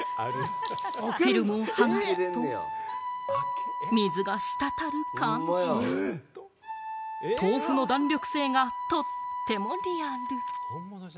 フィルムを剥がすと水が滴る感じや豆腐の弾力性がとってもリアル。